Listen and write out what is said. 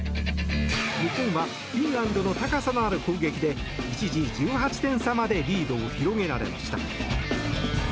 日本はフィンランドの高さのある攻撃で一時、１８点差までリードを広げられました。